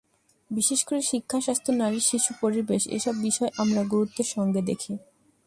বিশেষ করে শিক্ষা, স্বাস্থ্য, নারী, শিশু, পরিবেশ—এসব বিষয় আমরা গুরুত্বের সঙ্গে দেখি।